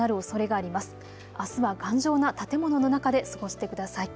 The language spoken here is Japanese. あすは頑丈な建物の中で過ごしてください。